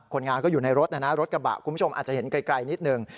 คนงานก็อยู่ในรถนะนะรถกระบะคุณผู้ชมอาจจะเห็นไกลนิดหนึ่ง